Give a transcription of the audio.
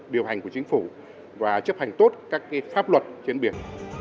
điều hành của chính phủ và chấp hành tốt các pháp luật trên biển